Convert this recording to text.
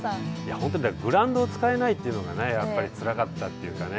本当にグラウンドを使えないというのが、やっぱりつらかったというかね。